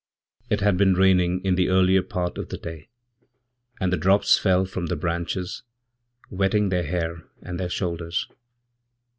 It had been raining in the earlier part of the day, and thedrops fell from the branches, wetting their hair and their shoulders.